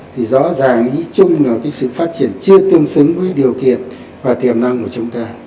thì rõ ràng ý chung là cái sự phát triển chưa tương xứng với điều kiện và tiềm năng của chúng ta